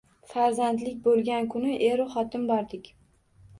Farzandlik boʻlgan kuni eru-xotin bordik.